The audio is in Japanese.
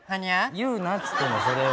言うなっつってんのそれを。